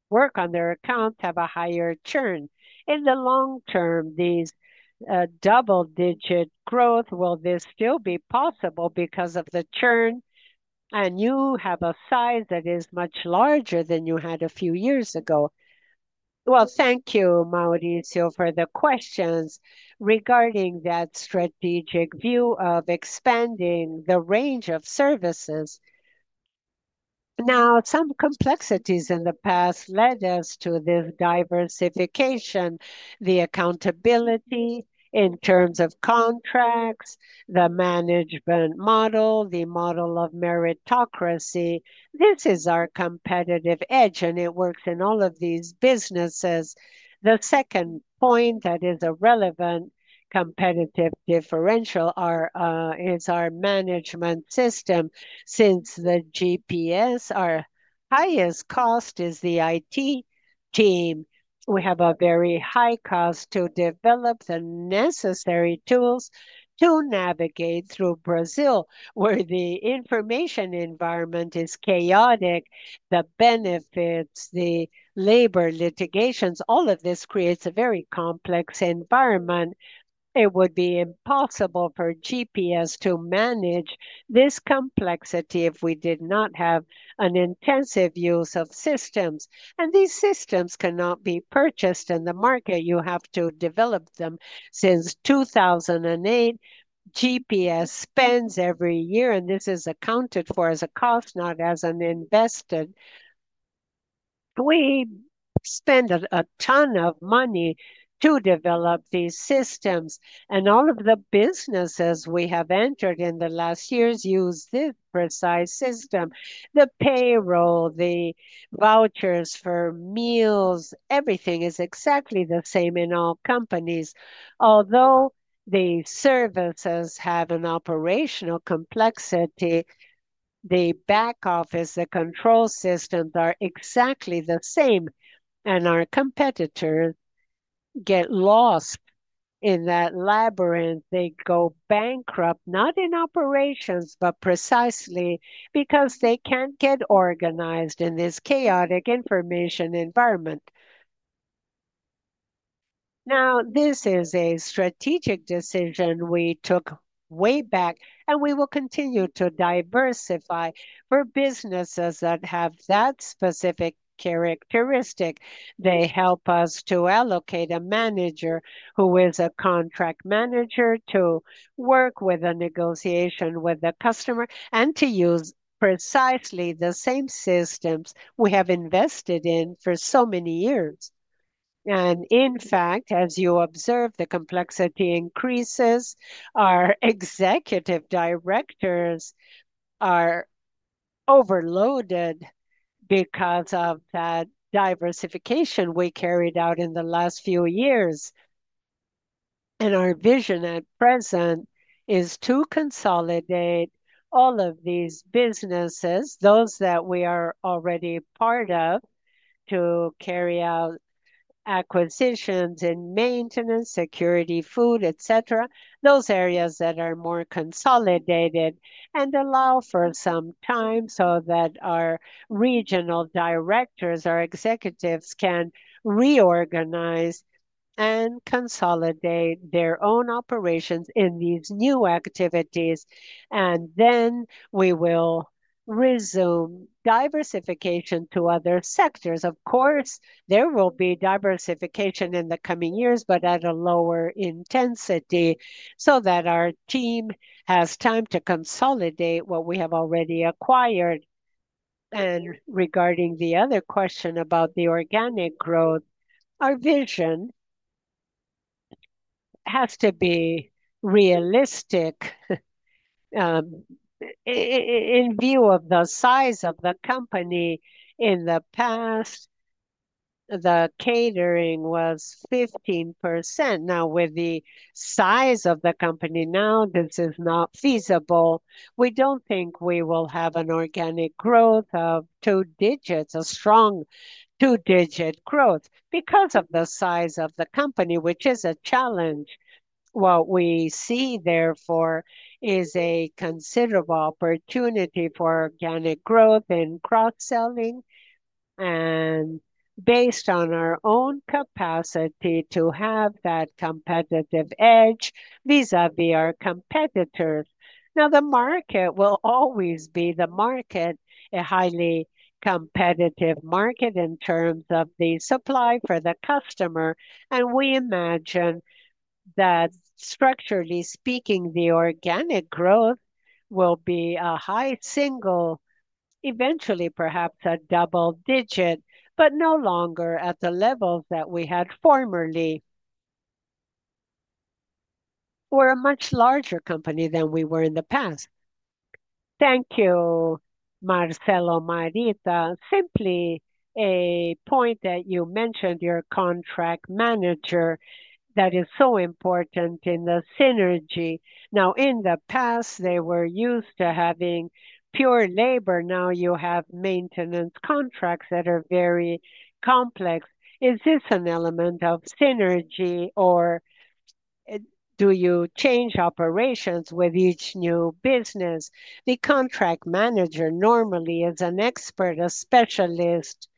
work on their accounts, have a higher churn. In the long term, these double-digit growth, will this still be possible because of the churn? You have a size that is much larger than you had a few years ago. Thank you, Mauricio, for the questions regarding that strategic view of expanding the range of services. Some complexities in the past led us to this diversification. The accountability in terms of contracts, the management model, the model of meritocracy. This is our competitive edge, and it works in all of these businesses. The second point that is a relevant competitive differential is our management system. Since GPS, our highest cost is the IT team. We have a very high cost to develop the necessary tools to navigate through Brazil, where the information environment is chaotic. The benefits, the labor litigations, all of this creates a very complex environment. It would be impossible for GPS to manage this complexity if we did not have an intensive use of systems. These systems cannot be purchased in the market. You have to develop them. Since 2008, GPS spends every year, and this is accounted for as a cost, not as an invested. We spend a ton of money to develop these systems, and all of the businesses we have entered in the last years use this precise system. The payroll, the vouchers for meals, everything is exactly the same in all companies. Although the services have an operational complexity, the back office, the control systems are exactly the same, and our competitors get lost in that labyrinth. They go bankrupt, not in operations, but precisely because they can't get organized in this chaotic information environment. This is a strategic decision we took way back, and we will continue to diversify for businesses that have that specific characteristic. They help us to allocate a manager who is a contract manager to work with a negotiation with the customer and to use precisely the same systems we have invested in for so many years. In fact, as you observe, the complexity increases. Our Executive Directors are overloaded because of that diversification we carried out in the last few years. Our vision at present is to consolidate all of these businesses, those that we are already part of, to carry out acquisitions in maintenance, security, food, etc., those areas that are more consolidated and allow for some time so that our Regional Directors, our executives can reorganize and consolidate their own operations in these new activities. We will resume diversification to other sectors. Of course, there will be diversification in the coming years, but at a lower intensity so that our team has time to consolidate what we have already acquired. Regarding the other question about the organic growth, our vision has to be realistic. In view of the size of the company, in the past, the catering was 15%. Now, with the size of the company, this is not feasible. We don't think we will have an organic growth of two digits, a strong two-digit growth because of the size of the company, which is a challenge. What we see, therefore, is a considerable opportunity for organic growth in cross-selling. Based on our own capacity to have that competitive edge vis-à-vis our competitors. The market will always be the market, a highly competitive market in terms of the supply for the customer. We imagine that, structurally speaking, the organic growth will be a high single, eventually perhaps a double digit, but no longer at the levels that we had formerly. We're a much larger company than we were in the past. Thank you, Marcelo, Marita. Simply a point that you mentioned, your contract manager that is so important in the synergy. Now, in the past, they were used to having pure labor. Now you have maintenance contracts that are very complex. Is this an element of synergy, or do you change operations with each new business? The contract manager normally is an expert, a specialist.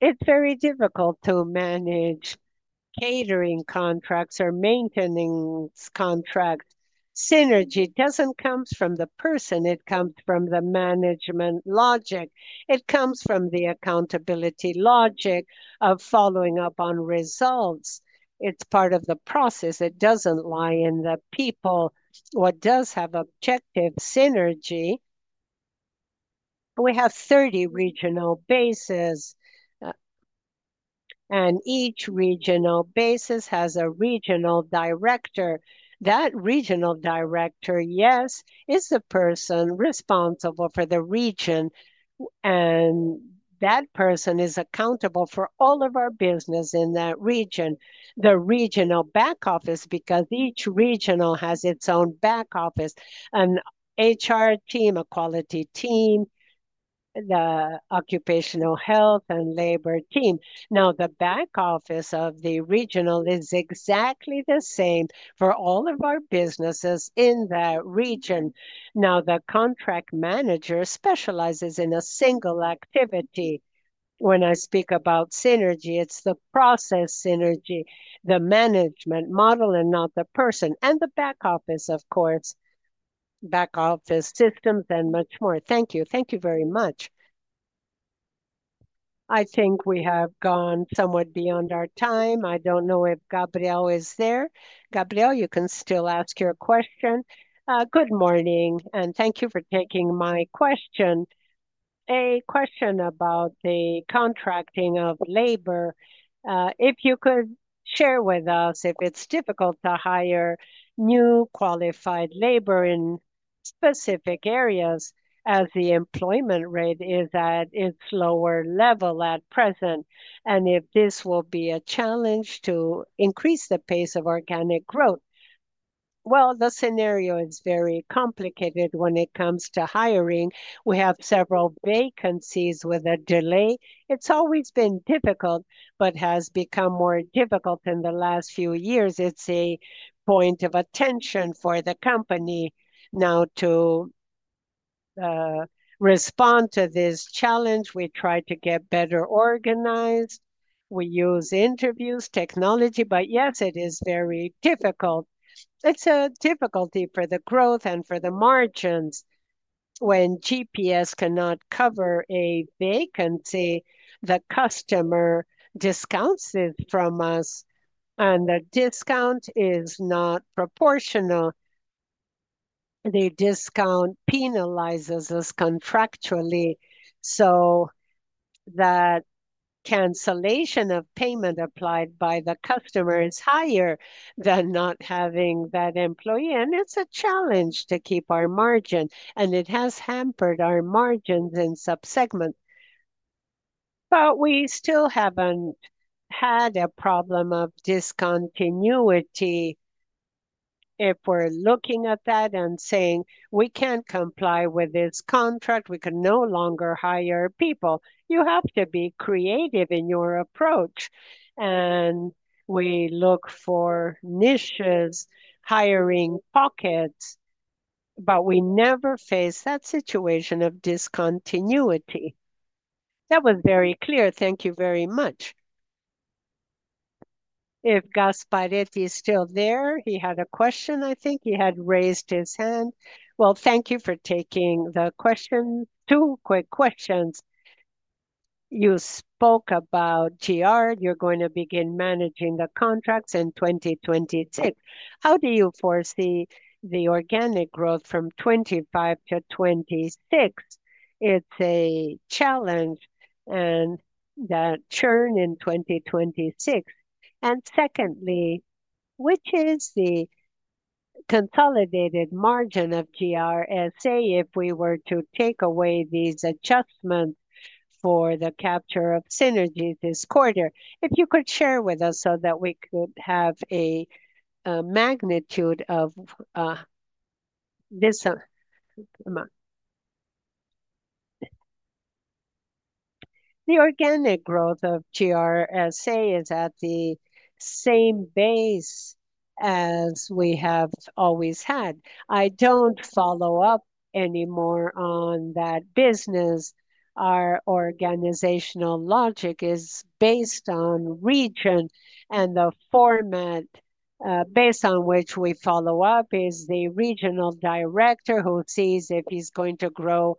It's very difficult to manage catering contracts or maintenance contracts. Synergy doesn't come from the person. It comes from the management logic. It comes from the accountability logic of following up on results. It's part of the process. It doesn't lie in the people. What does have objective synergy? We have 30 regional bases, and each regional base has a Regional Director. That Regional Director, yes, is the person responsible for the region, and that person is accountable for all of our business in that region. The regional back office, because each regional has its own back office, an HR team, a quality team, the occupational health and labor team. Now, the back office of the regional is exactly the same for all of our businesses in that region. Now, the contract manager specializes in a single activity. When I speak about synergy, it's the process synergy, the management model and not the person, and the back office, of course. Back office systems and much more. Thank you. Thank you very much. I think we have gone somewhat beyond our time. I don't know if Gabriel is there. Gabriel, you can still ask your question. Good morning, and thank you for taking my question. A question about the contracting of labor. If you could share with us if it's difficult to hire new qualified labor in specific areas as the employment rate is at its lower level at present, and if this will be a challenge to increase the pace of organic growth. The scenario is very complicated when it comes to hiring. We have several vacancies with a delay. It's always been difficult, but has become more difficult in the last few years. It's a point of attention for the company now to respond to this challenge. We try to get better organized. We use interviews, technology, but yes, it is very difficult. It's a difficulty for the growth and for the margins. When GPS cannot cover a vacancy, the customer discounts it from us, and the discount is not proportional. The discount penalizes us contractually, so that cancellation of payment applied by the customer is higher than not having that employee, and it's a challenge to keep our margin, and it has hampered our margins in subsegments. We still haven't had a problem of discontinuity. If we're looking at that and saying, "We can't comply with this contract, we can no longer hire people." You have to be creative in your approach, and we look for niches, hiring pockets, but we never face that situation of discontinuity. That was very clear. Thank you very much. If Gasparetti is still there, he had a question, I think he had raised his hand. Thank you for taking the question, two quick questions. You spoke about TR, you're going to begin managing the contracts in 2026. How do you foresee the organic growth from 2025 to 2026? It's a challenge, and the churn in 2026. Secondly, which is the consolidated margin of GRSA if we were to take away these adjustments for the capture of synergy this quarter? If you could share with us so that we could have a magnitude of this one. The organic growth of GRSA is at the same base as we have always had. I don't follow up anymore on that business. Our organizational logic is based on region, and the format based on which we follow up is the Regional Director who sees if he's going to grow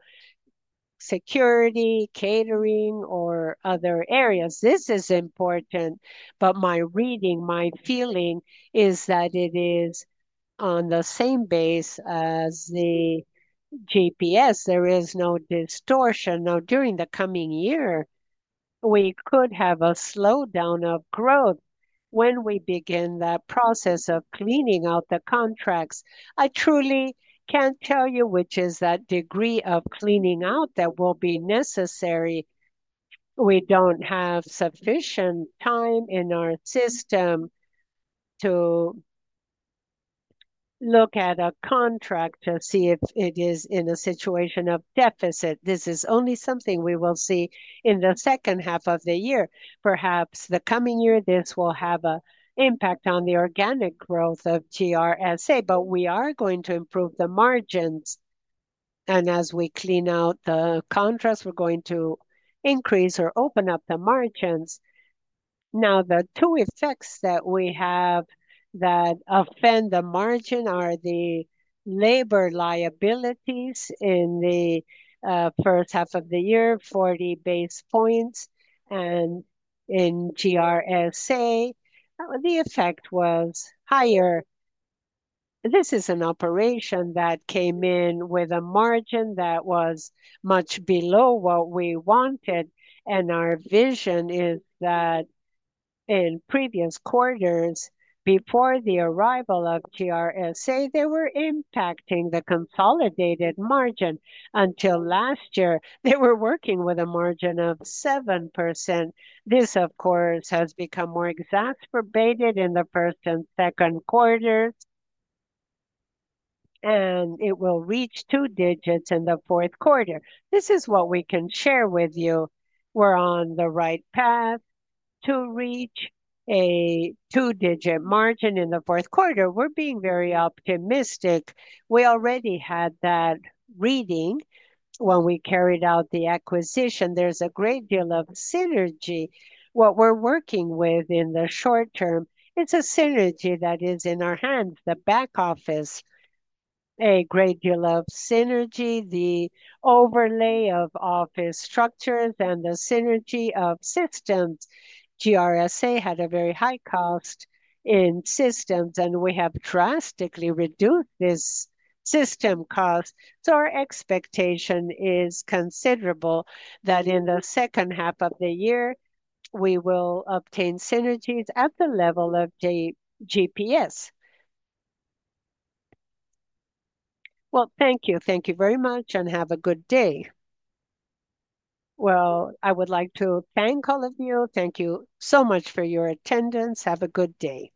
security, catering, or other areas. This is important, but my reading, my feeling is that it is on the same base as the GPS. There is no distortion. During the coming year, we could have a slowdown of growth when we begin that process of cleaning out the contracts. I truly can't tell you which is that degree of cleaning out that will be necessary. We don't have sufficient time in our system to look at a contract to see if it is in a situation of deficit. This is only something we will see in the second half of the year. Perhaps the coming year, this will have an impact on the organic growth of GRSA, but we are going to improve the margins, and as we clean out the contracts, we're going to increase or open up the margins. The two effects that we have that offend the margin are the labor liabilities in the first half of the year, 40 basis points, and in GRSA, the effect was higher. This is an operation that came in with a margin that was much below what we wanted, and our vision is that in previous quarters, before the arrival of GRSA, they were impacting the consolidated margin. Until last year, they were working with a margin of 7%. This, of course, has become more exacerbated in the first and second quarters, and it will reach two digits in the fourth quarter. This is what we can share with you. We're on the right path to reach a two-digit margin in the fourth quarter. We're being very optimistic. We already had that reading when we carried out the acquisition. There's a great deal of synergy. What we're working with in the short term, it's a synergy that is in our hands, the back office. A great deal of synergy, the overlay of office structures, and the synergy of systems. GRSA had a very high cost in systems, and we have drastically reduced this system cost. Our expectation is considerable that in the second half of the year, we will obtain synergies at the level of the GPS. Thank you. Thank you very much, and have a good day. I would like to thank all of you. Thank you so much for your attendance. Have a good day.